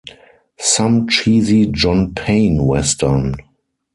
Some cheesy John Payne western.